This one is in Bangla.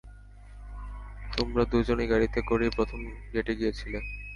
তোমরা দুজন এই গাড়িতে করেই প্রথম ডেটে গিয়েছিলে।